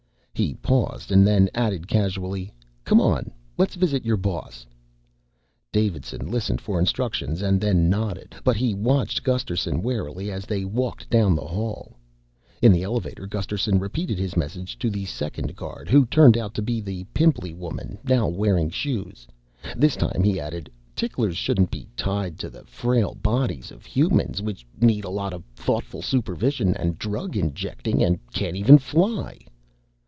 He paused and then added casually, "Come on, let's visit your boss." Davidson listened for instructions and then nodded. But he watched Gusterson warily as they walked down the hall. In the elevator Gusterson repeated his message to the second guard, who turned out to be the pimply woman, now wearing shoes. This time he added, "Ticklers shouldn't be tied to the frail bodies of humans, which need a lot of thoughtful supervision and drug injecting and can't even fly."